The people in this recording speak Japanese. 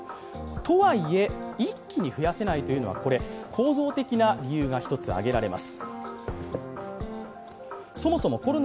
とはいえ、一気に増やせないというのは構造的な理由が１つ挙げられます。